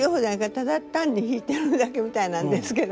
ただ単に弾いてるだけみたいなんですけど。